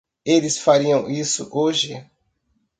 Eles fariam isso hoje.